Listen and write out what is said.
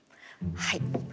はい。